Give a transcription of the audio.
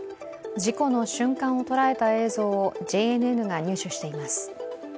事故の瞬間をとらえた映像をＪＮＮが入手しています。